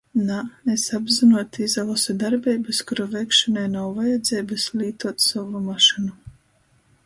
Nā, es apzynuoti izalosu darbeibys, kuru veikšonai nav vajadzeibys lītuot sovu mašynu.